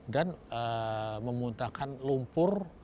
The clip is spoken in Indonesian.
dan memuntahkan lumpur